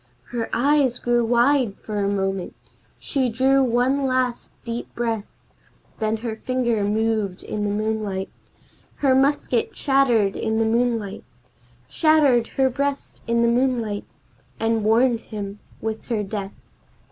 Her eyes grew wide for a moment, she drew one last deep breath, Then her finger moved in the moonlight Her musket shattered the moonlight Shattered her breast in the moonlight and warned him with her death.